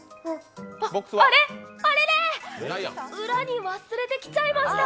あれっ、あれれ裏に忘れてきちゃいました。